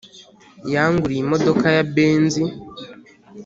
Yanguriye imodoka ya benzi